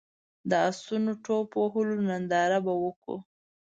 د اسونو ټوپ وهلو ننداره به وکړو.